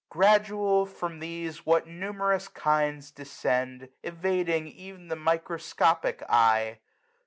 Gradual, from these what numerous kinds descend. Evading ev'n the microscopic eye